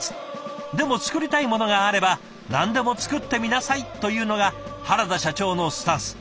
でも作りたいものがあれば何でも作ってみなさいというのが原田社長のスタンス。